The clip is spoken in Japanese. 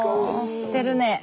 知ってるねえ。